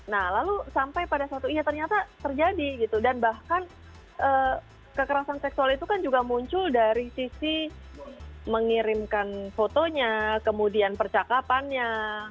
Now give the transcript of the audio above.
nah lalu sampai pada suatu iya ternyata terjadi gitu dan bahkan kekerasan seksual itu kan juga muncul dari sisi mengirimkan fotonya kemudian percakapannya